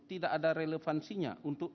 tidak ada relevansinya untuk